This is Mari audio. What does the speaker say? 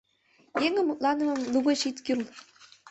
«Еҥын мутланымым лугыч ит кӱрл.